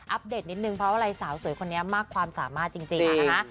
เดตนิดนึงเพราะอะไรสาวสวยคนนี้มากความสามารถจริงนะคะ